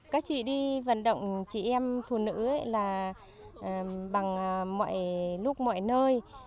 các chị đi vận động chị em phụ nữ là bằng mọi lúc mọi nơi